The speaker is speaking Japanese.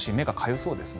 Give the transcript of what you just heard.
そうですよね。